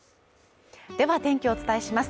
では天気をお伝えします。